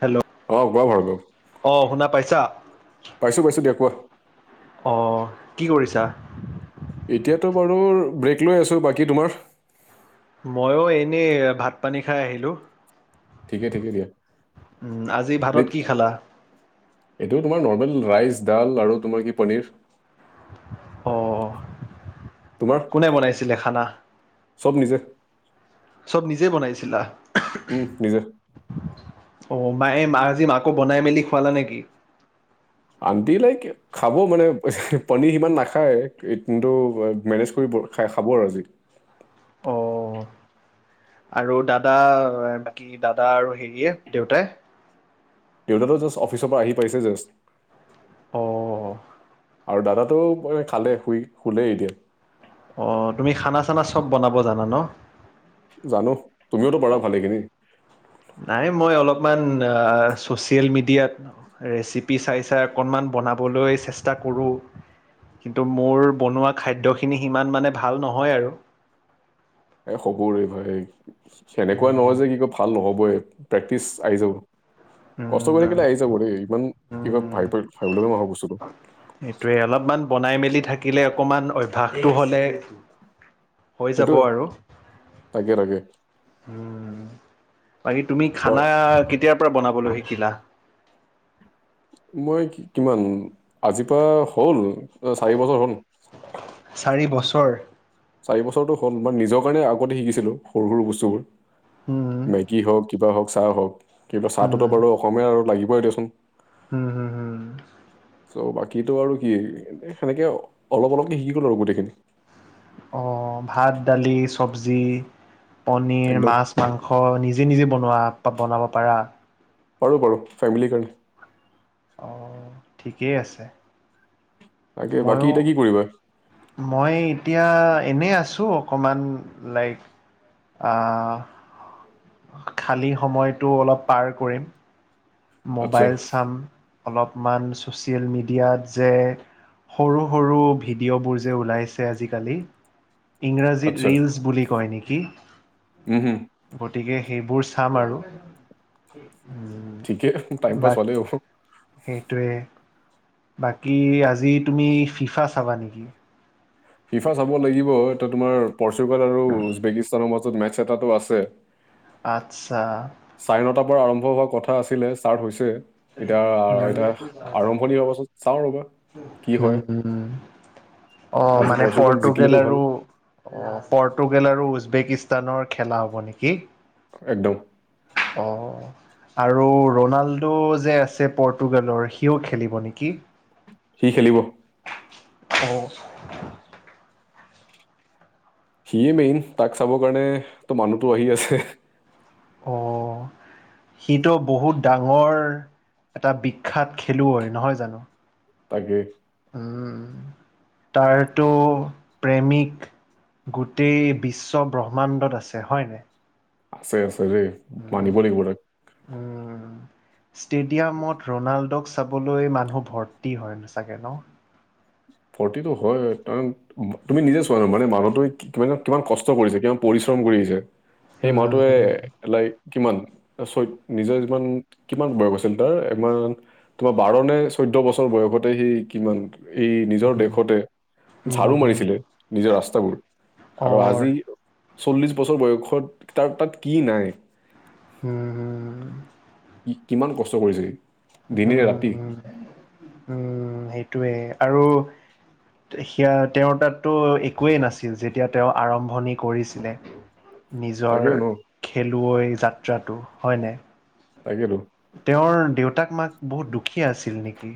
Hello অ কোৱা ভাল বু অ শুনা পাইছা পাইছো পাইছো দিয়া কোৱা। আহ, কি কৰিছা। এতিয়াতো বাৰু ব্ৰেক লৈ আছো বাকী তোমাৰ। মইও এনেই ভাত পানী খাই আহিলো। ঠিকে ঠিকে দিয়া। আজি ভাতত এই- কি খালা। এইটো তোমাৰ নৰ্মেল ৰাইচ ডাল আৰু তোমাৰ কি পনীৰ। অ তোমাৰ কোনে বনাইছিলে খানা। চব নিজে চব নিজে বনাইছিলা উম নিজে অ মায়ে আজি মাকো বনাই মেলি খুৱালে নেকি। আন্টি লাইক খাব মানে পনিৰ সিমান নাখায় কিন্তু মেনেজ কৰিব খাই খাব আৰু আজি অ আৰু দাদা বাকী দাদা আৰু হেৰিয়ে দেউতাই দাদা জাষ্ট অফিচৰ পৰা আহি পাইছে জাষ্ট অ আৰু দাদাটো মই খালে শুই শুলেই এতিয়া অ তুমি খানা চানা চব বনাব জানা ন জানো তুমিওতো পঢ়া ভালেখিনি নাই মই অলপমান ছ'চিয়েল মিডিয়াত ৰেচিপি চাই চাই অকণমান বনাবলৈ চেষ্টা কৰোঁ কিন্তু মোৰ বনোৱা খাদ্যখিনি সিমান মানে ভাল নহয় আৰু এ হ'বৰে ভাই সেনেকুৱা নহয় উম, যে কি ক ভাল নহবয় প্ৰেক্টিচ আহি যাব। কষ্ট কৰি উম, কেলে আহি যাব দেই ইমান কি কয় ভ ভাবিবলৈ নহয় বস্তুটো এইটোয়ে অলপমান বনাই মেলি থাকিলে অকমান অভ্যাসটো হয় যাই হৈ যাব সেইটোৱে আৰু তাকে তাকে উম বাকী তুমি বাৰু খানা কেতিয়া বনাবলৈ শিকিলা মই কিমান আজিৰ পৰা হ'ল চাৰি বছৰ হ'ল চাৰি বছৰ চাৰি বছৰটো হ'ল মই নিজৰ কাৰণে আগতে শিকিছিলোঁ সৰু সৰু বস্তুবোৰ উম, মেগী হওক কিবা হওক চাহ হওঁক কিবা চাহটোতো উম, বাৰু অসমীয়া আৰু লাগিবই দিয়াচোন উম হম হম চ' বাকীতটো আৰু কি সেনেকে অলপ অলপকে শিকি গ'লো আৰু গোটেইখিনি আহ ভাত দালি চবজি পনিৰ একদম মাছ মাংস নিজে নিজে বনোৱা বনাব পাৰা পাৰো পাৰো ফেমিলি কাৰনে অ ঠিকেই আছে তাকে বাকী মইও এতিয়া কি কৰিবা মই এতি এতিয়া এনেই আছো অকমান লাইক আহ। খালী সময়টো অলপ পাৰ কৰিম আচ্ছা মোবাইল চাম। অলপমান ছ'চিয়েল মিডিয়াত যে সৰু সৰু ভিডিঅ'বোৰ যে ওলাইছে আজিকালি ইংৰাজীত আচ্ছা ৰিলচ বুলি কয় নেকি? উম হুম গতিকে সেইবোৰ চাম আৰু উম, ঠিকে টাইম পাছ পালে বাকী হ'ল। সেইটোৱে বাকী আজি তুমি ফিফা চাবা নেকি? ফিফা চাব লাগিব এয়া তোমাৰ পৰ্চুগাল আৰু উজবেকিস্তানৰ মাজত মেটছ এটাটো আছে। আত্চ্ছা চাৰে নটাৰ আৰম্ভ হোৱা কথা আছিলে ষ্টাৰ্ট হৈছে। এতিয়া এতিয়া আৰম্ভণি হোৱাৰ পাছত চাওঁ ৰ'বা। কি হয় উম অ আজি মানে পৰ্চুগাল পৰ্তুগেল জিকিলেতো ভাল আৰু অ পৰ্টুগেল আৰু উজবেকিস্ত- স্তানৰ খেলা হ'ব নেকি? একদম অ আৰু ৰনাল্ডো যে আছে পৰ্টুগালৰ সিও খেলিব নেকি? সি খেলিব। অ সিয়ে মেই'ন তাক চাবৰ কাৰণে তো মানুহতো আহি আছে। অ সিটো বহুত ডাঙৰ এটা বিখ্যাত খেলুৱৈ নহয় জানো? তাকে। উম তাৰটো প্ৰেমিক গোটেই বিশ্ব ব্ৰহ্মাণ্ডত আছে হয় নাই? আছে আছে দেই মানিব লাগিব তাক। ষ্টেডিয়ামত ৰনাল্ডক চাবলৈ মানুহ ভৰ্তি হয় ন চাগে ন? ভৰটিটো হয় ত তুমি নিজে চোৱা ন মানে মানুহটোৱে কিমান কষ্ট কৰিছে কিমান পৰি- স্ৰম কৰিছে অৰ সেই মানুহটোৱে লাইক কিমান চৈত নিজে জীমান কিমান বাৰ গৈছিল তই, ইমান তোমাৰ বাৰ নে চৈ- চৈধ্য বছৰ বয়সতে সি কিমান এই নি- জৰ দেশতে ঝাৰু মাৰিছিলে নিজৰ ৰাস্তাবোৰ আৰু আজি চল্লিশ বছৰ বয়সত তাৰ তাত কি নাই উম হম কিমান কষ্ট কৰিছে সি দিনে ৰাতি উম উম সেইটোৱে আৰু সেয়া তেওঁৰ তাততো একোৱেই নাছিল। যেতিয়া তেওঁ আৰম্ভণি কৰিছিলে। তাকে নিজৰ ন খেলুৱৈ যাত্ৰাটো হয় নাই। তাকেতো। তেওঁৰ দেউতাক মাক বহুত দুখীয়া আছিল নেকি?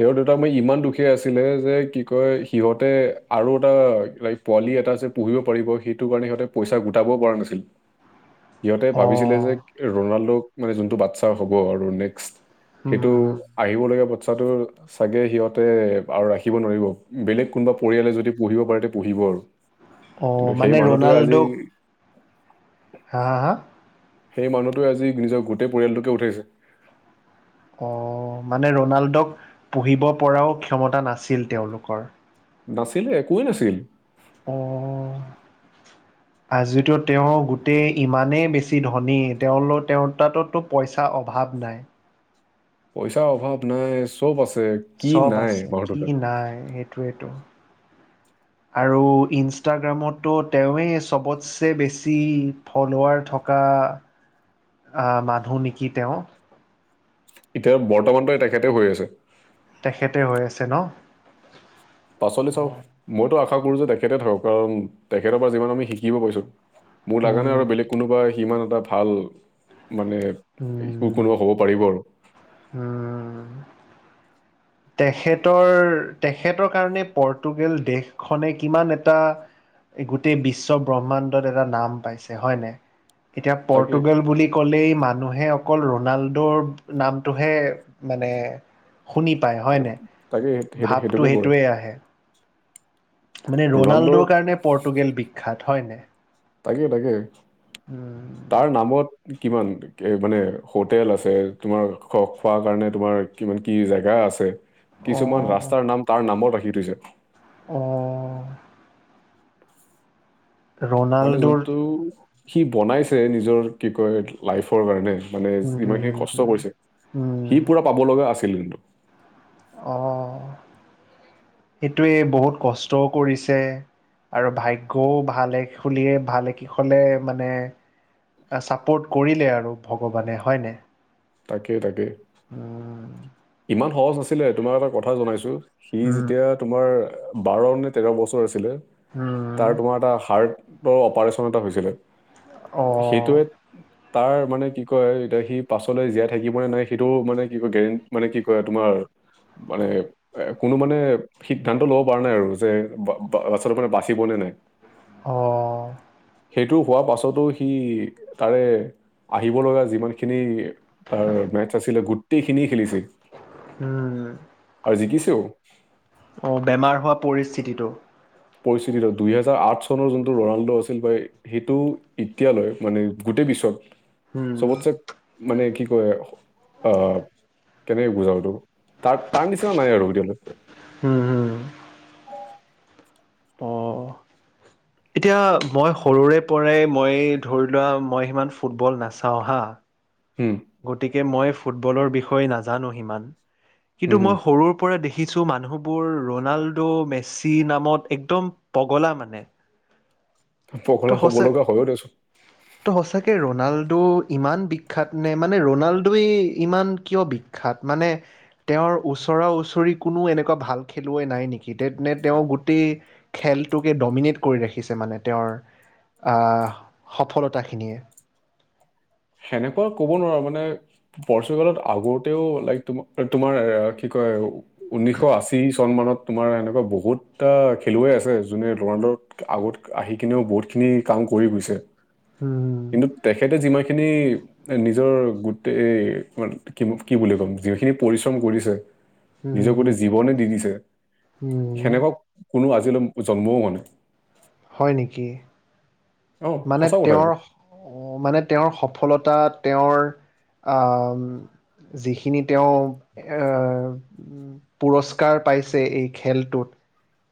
তেওঁৰ দেউতা মই ইমান দুখিযা আছিলে যে কি কয় সিহঁতে আৰু এটা লাইক পোৱালি এটা যে পঢ়িব পাৰিব সেইটো কাৰণে সিহতে পইচা গোটাবও পৰা নাছিল। [inaudible] সিহঁতে অ ভাবিছিলে যে হুম, ৰনাল্ডক মানে যোনটো বাচ্ছা হ'ব আৰু নেক্সট সেইটো হুম, হুম। আহিব লগীয়া টো চাগে সিহঁতে আৰু ৰাখিব নোৱাৰিব বেলেগ কোনোবা পৰিয়ালে যদি পুহিব পাৰে ত পুহিব। অ কিন্তু সেই মানে মানুহটোৱে আজি ৰনাল্ডোক হা হা হা সেই মানুহটোৱে আজি নিজৰ গোটেই পৰিয়ালটোকে উঠাইছে। অ মানে ৰনাল্ডক পুহিব পৰাও ক্ষমতা নাছিল তেওঁলোকৰ? নাছিলে একোৱে নাছিল। অ, আজিটো তেওঁ গোটেই ইমানেই বেছি ধনী তেওঁ, তেওঁ তাতো পইচাৰ অভাৱ নাই। পইচাৰ অভাৱ নাই, চব আছ চব আছে, কি নাই সেইটোৱেতো। আৰু ইনষ্টাগ্ৰামতো তেওঁৱেই চবতছে বেছি ফলৱাৰ থ থকা, আহ মানুহ নেকি তেওঁ? এতিয়া বৰ্তমানতো তেখেতে হৈ আছে। তেখেতে হৈ আছে ন? পাচলৈ চাও মইতো আশা কৰো যে তেখেতে থাকক কাৰণ তেখেতৰ পৰা যিমান আমি শিকিব পাইছো। মোৰ লগা নাই উম আৰু বেলেগ কোনোবা সিমান এটা ভাল মানে উম শো'কোনো হ'ব পাৰিব আৰু। উম। তেখেতৰ তেখেতৰ কাৰণে পৰটোগেল দেশখনে কিমান এটা গোটেই বিশ্ব ব্ৰহ্মাণ্ডত এটা নাম পাইছে হয়নে? এতিয়া তাকে পৰ্টুগাল বুলি ক'লেই মানুহে অকল ৰনাল্ড নামটোহে মানে শুনি পায় হয় নাই? সেইটো- তাকে সেইটো ভাৱটো সেইটোকে কৰে সেইটোৱে আহে। মানে ৰনাল্ড ৰনাল্ডৰ কাৰণে পৰ্টোগাল বিখ্যাত হয় নাই? তাকে তাকে। তাৰ নামত উম। কিমান মানে হোটেল আছে, তোমাৰ খোৱাৰ কাৰণে তোমাৰ কিমান কি জেগা আছে কিছুমান ৰাস্তাৰ নাম তাৰ নামত ৰাখি থৈছে। অঁ। মানে ৰনাল্ডোৰ যোনটো, সি বনাইছে নিজৰ কি কয় লাইফৰ কাৰণে মানে যিমানখিনি কষ্ট উম, কৰিছে, উম, সি পুৰা পাব লগা আছিল কিন্তু। অহ, সেইটোৱে বহুত কষ্টও কৰিছে আৰু ভাগ্যও ভালে খুলিয়ে ভালে কি হলে মানে চাপৰ্ট কৰিলে আৰু ভগৱানে হয় নাই? তাকে তাকে। ইমান সহজ নাছিলে, তোমাৰ এটা কথা জনাইছো সি উম, যেতিয়া তোমাৰ বাৰ নে তেৰ বছৰ আছিলে, উম, তাৰ তোমাৰ এটা হাৰ্ট ৰ অপাৰেচন এটা হৈছিলে, অ', সেইটোৱে তাৰ মানে কি কয় এতিয়া সি পাছলৈ জীয়াই থাকিবনে নাই সেইটোও মানে কি কয় গেৰেণ্ট মানে কি কয় তোমাৰ মানে এ কোনো মানে সিদ্ধান্ত ল'ব পৰা নাই আৰু যে আচলতে মানে বাচিব নে নাই অহঁ। সেইটো হোৱাৰ পাছতো সি তাৰে আহিব লগা যিমানখিনি তাৰ মেচ আছিলে গোটেইখিনি খেলিছিল। উম। জিকিছেও। অ বেমাৰ হোৱা পৰিস্থিতিটো। পৰিস্থিতি দুই হেজাৰ আঠ চনৰ যোনটো ৰনাল্ডো আছিল বা সেইটো এতিয়ালৈ মানে গোটেই বিশ্বত উম, চবতছে মানে কি কয়, আহ কেনেকে বুজাও এইটো তাৰ তাৰ নিচিনা নাই আৰু ৱৰ্ল্ডত। হুম, অঁ। এতিয়া মই সৰুৰে পৰাই মই ধৰি লোৱা মই সিমান ফুটবল নাচাওঁ হা হুম। গতিকে মই ফুটবলৰ বিষয়ে নাজানো সিমান, কিন্তু হম হম মই সৰুৰ পৰা দেখি খিছো মানুহবোৰ ৰনাল্ডো, মেছী নামত একদম পগলা মানে। তো পগলা হ'ব সঁচাকে লগা হয়ো দেচোন তো সঁচাকে ৰ ৰনাল্ডো ইমান বিখ্যাত। নে? মানে ৰণাল্ডোই ইমান কিয় বিখ্যাত মানে তেওঁৰ ওচৰা উচৰি কোনো এনেকুৱা ভাল খেলুৱৈ নাই নেকি? তে তেওঁ গোটেই খেলটোকে ডমিনেট কৰি ৰাখিছে মানে। তেওঁৰ আহ সফলতাখিনিয়ে, সেনেকুৱা ক'ব নোৱাৰো মানে পৰ্টুগালত আগতেও লাইক তম তোমাৰ কি কয়, উনিশ আশী চন মানত তোমাৰ এনেকুৱা বহুত খেলুৱৈ আছে যোনে ৰনাল্ডোৰ আগত আহি কিনেও বহুত খি নি কাম কৰি গৈ উম কিন্তু তেখেতে যিমান খিনি নিজৰ গোটেই তোমাৰ কি কি বুলি ক'ম যিখিনি পৰিশ্ৰম কৰিছে, নিজক উম গোটেই জীৱনে দি দিছে উম সেনেকুৱা কোনো আজি আজিলৈ জন্মও হোৱা নাই। হয় নেকি? অ মানে সঁচা কথা তেওঁৰ এইটো মানে তেওঁৰ সফলতা তেওঁৰ, আঁ ওম যিখিনি তেওঁ আহ পুৰস্কাৰ পাইছে এই খেলটোত,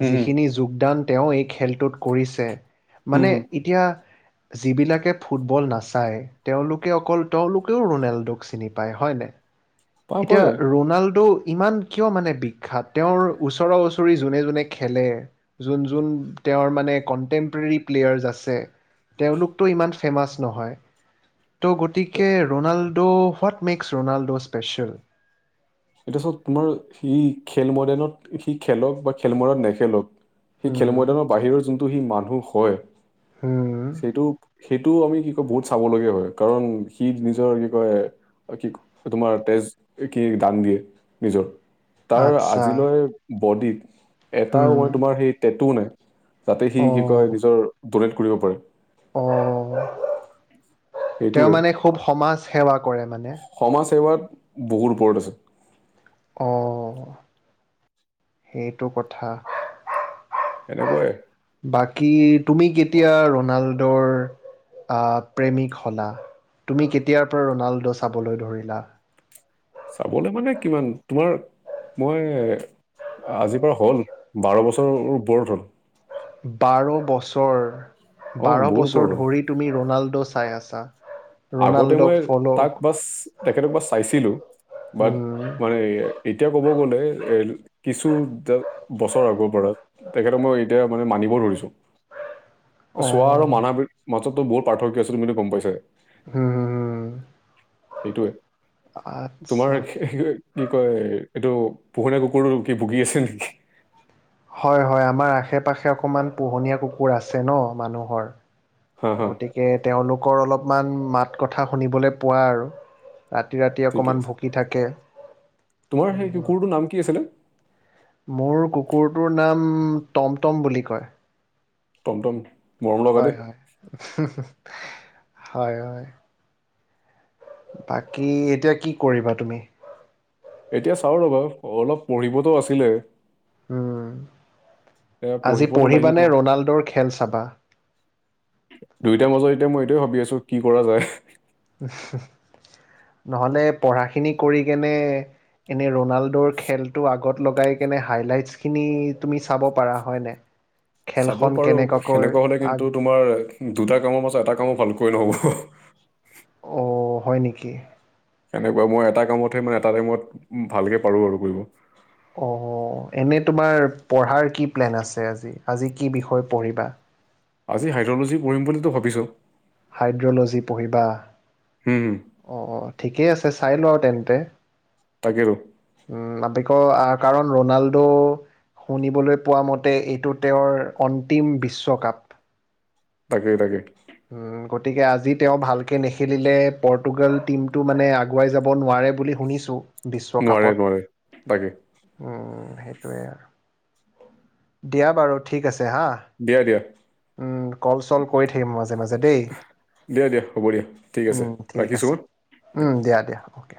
হম হম যিখিনি যোগদান তেওঁ এই খেলটোত কৰিছে উম, মানে হুম, এতিয়া যিবিলাকে ফুটবল নাচায় তেওঁলোকে অকল তেওঁলোকেও ৰোনাল্ডোক চিনি পায় হয়নাই পায়, এতিয়া পায়। ৰোনাল্ডো ইমান কিয় মানে বিখ্যাত তেওঁৰ ওচৰা ওচৰি যোনে যোনে খেলে যোন যোন তেওঁৰ মানে কণ্টেম্পৰেৰী প্লেয়াৰছ আছে তেওঁলোকতো ইমান ফেমাছ নহয় ত' গতিকে Ronaldo what makes Ronaldo special এতিয়া চত তোমাৰ সি খেল ময়দানত সি খেলক বা খেল মৈদানত নেখেলক সেই খেল মৈদানৰ হুম বাহিৰৰ যোনটো সি মানুহ হয় হুম সেইটো সেইটো আমি বহুত চাবলগীয়া হয় কাৰণ সি নিজৰ কি কয় বাকি তোমাৰ তেজ কি? দান দিয়ে নিজৰ তাৰ আচ্ছা আজিলৈ বডিত এটাও হুম মই তোমাৰ সেই টেটু নাই যাতে সি কি কয় নিজৰ ডনেট কৰিব পাৰে। অ তেওঁ সেইটোৱে। মানে খুব সমাজ সেৱা কৰে মানে সমাজ সেৱাত বহুত ওপৰত আছে অ সেইটো কথা। এনেকুৱাই বাকী তুমি কেতিয়া ৰনাল্ডৰ আহ প্ৰেমিক হলা তুমি কেতিয়াৰ পৰা ৰনাল্ডো চাবলৈ ধৰিলা চাবলৈ মানে কিমান তোমাৰ মই আজিৰ পৰা হ'ল বাৰ বছৰৰ ওপৰত হ'ল বাৰ বছৰ অ বাৰ বহুত বছৰ ওপৰত হ'ল ধৰি তুমি ৰোনাল্ডো চাই আছাঁ- আগতে মই তাক বা তেখেতক বা চাইছিলোঁ। বাট উম অ' মানে এতিয়া ক'ব গ'লে এহ কিছু বছৰ আগৰ পৰা তেখেতক মই এতিয়া মানে মানিব ধৰিছোঁ চোৱা আৰু হুম মানুহ মাজতো বহুত পাৰ্থক্য আছিল ত বুলি গম পাইছাই উম হুম হুম- সেইটোৱে তোমাৰ আচ্ছা। কি কয় এইটো পোহনীয়া কুকুৰটো কি ভুগি আছে নেকি। হয় হয় আমাৰ আশে পাশে অকমান পোহনীয়া কুকুৰ আছে নহ মানুহৰ হা হা গতিকে তেওঁলোকৰ অলপমান মাত কথা শুনিবলৈ পোৱা আৰু ৰাতি ৰাতি ঠিকে অকণমান আছে ভুকি থাকে। তোমাৰ সেই কুকুৰটো নাম কি আছিলে। মোৰ কুকুৰটো নাম টমটম বুলি কয়। টমটম মৰম লগা দেই হয় হয় হোমহ হয় হয় বাকী এতিয়া কি কৰিবা তুমি এতিয়া চাও ৰ'বা অলপ পঢ়িবতো আছিলে উম,, এতিয়া আজি পঢ়িবতো লাগিব পঢ়িবানে ৰনালডোৰ খেল চাবা দুইটাৰ মাজত এতিয়া মই এইটোয়ে ভাবি আছোঁ কি কৰা যায় নহ'লে পঢ়াখিনি কৰি কেনে এনে ৰনালডোৰ খেলটো আগত লগাই কেনে হাইলাইটছ খিনি তুমি চাব পাৰা হয় নাই চাব পাৰো সেনেকুৱা হ'লে কিন্তু তোমাৰ দুটা কামৰ মাজত এটা কামো ভালকৈ নহ'ব স অ হয় নেকি সেনেকুৱা মই এটা কামতহে মানে এটা টাইমত ভালকে পাৰোঁ আৰু কৰিব অ অ এনে তোমাৰ পঢ়াৰ কি প্লেন আছে আজি, আজি কি বিষয় পঢ়িবা আজি হাইদ্ৰ'লজী পঢ়িম বুলিটো ভাবিছোঁ হাইদ্ৰ'লজি পঢ়িবা হম হম অ অ ঠিকে আছে চাই লোৱা আৰু তেন্তে তাকেটো আ কাৰণ ৰনালডো শুনিবলৈ পোৱা মতে এইটো তেওঁৰ অন্তিম বিশ্বকাপ তাকেই তাকেই অ গতিকে আজি তেওঁ ভালকে নেখেলিলে পৰ্তুগল টিমটো মানে আগুৱাই যাব নোৱা বুলি শুনিছোঁ নোৱাৰে নোৱাৰে তাকে বিশ্বকাপত‌।‌অ সেইটোয়ে আৰু, দিয়া বাৰু ঠিক আছে হা দিয়া দিয়া উম কল চল কৰি থাকিম মই দেই, দিয়া দিয়া হ'ব দিয়া ঠিক আছে উম ঠিক ৰাখিছো আছে হা? হোম দিয়া দিয়া অ'কে